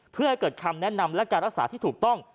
เพื่อให้เกิดคำแนะนำและการรักษาที่ถูกต้อง